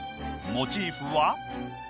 モチーフは。